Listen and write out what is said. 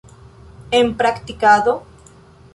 En praktikado?